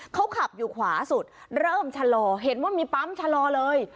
เขาขับอยู่ขวาสุดเริ่มชะลอเห็นว่ามีปั๊มชะลอเลย